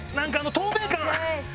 透明感。